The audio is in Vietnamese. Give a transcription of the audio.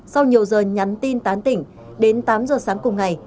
sau nhiều giờ nhắn tin tán tỉnh đến tám giờ sáng cùng ngày